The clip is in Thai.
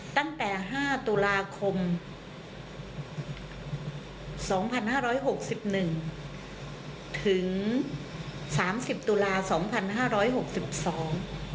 ตั้งแต่๕ตุลาคม๒๕๖๑ถึง๓๐ตุลาคม๒๕๖๒